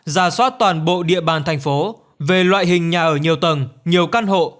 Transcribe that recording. ra soát toàn bộ địa bàn thành phố về loại hình nhà ở nhiều tầng nhiều căn hộ